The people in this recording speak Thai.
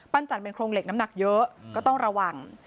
จันเป็นโครงเหล็กน้ำหนักเยอะก็ต้องระวัง